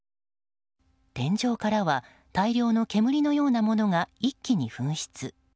天井からは大量の煙のようなものが一気に噴出。